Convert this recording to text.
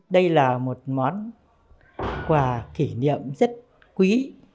đây là một món quà kỷ niệm rất quý